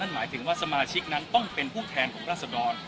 หมายถึงว่าสมาชิกนั้นต้องเป็นผู้แทนของราศดร